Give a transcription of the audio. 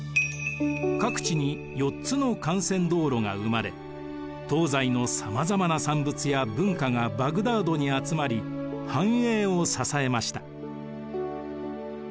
各地に４つの幹線道路が生まれ東西のさまざまな産物や文化がバグダードに集まり繁栄を支えました。